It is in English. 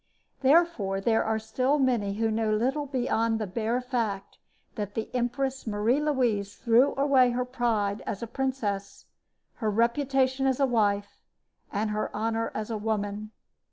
Therefore there are still many who know little beyond the bare fact that the Empress Marie Louise threw away her pride as a princess, her reputation as a wife, and her honor as a woman.